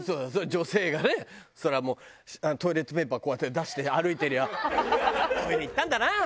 女性がねそれはもうトイレットペーパーこうやって出して歩いてりゃトイレ行ったんだな。